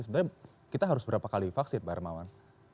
sebenarnya kita harus berapa kali vaksin pak hermawan